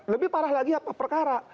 lebih parah lagi perkara